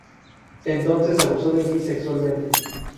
Entonces abusó de mí sexualmente.